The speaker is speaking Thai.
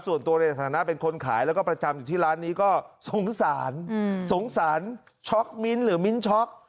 ส่วนตัวในฐานะเป็นคนขายแล้วก็ประจำอยู่ที่ร้านนี้ก็สงสารสงสารช็อกมิ้นหรือมิ้นช็อก